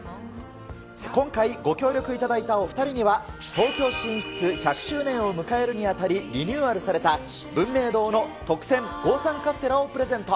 今回、ご協力いただいたお２人には、東京進出１００周年を迎えるにあたり、リニューアルされた、文明堂の特撰五三カステラをプレゼント。